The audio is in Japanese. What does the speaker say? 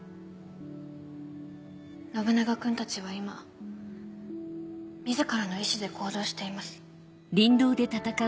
信長君たちは今自らの意思で行動しています。